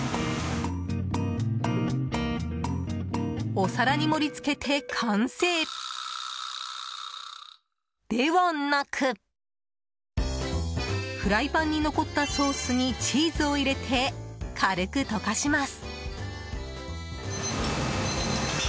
お皿に盛り付けて完成ではなくフライパンに残ったソースにチーズを入れて、軽く溶かします。